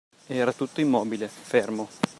Era tutto immobile, fermo.